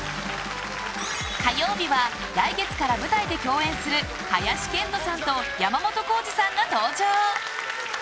火曜日は来月から舞台で共演する林遣都さんと山本耕史さんが登場。